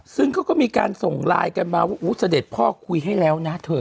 ซึ่งเขาก็มีการส่งไลน์กันมาว่าเสด็จพ่อคุยให้แล้วนะเธอ